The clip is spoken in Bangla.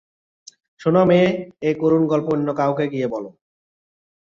শোনো মেয়ে, এই করুণ গল্প অন্য কাউকে গিয়ে বল।